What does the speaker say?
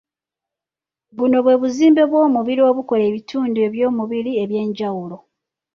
Buno bwe buzimbe bw'omubiri obukola ebitundu by'omubiri eby'enjawulo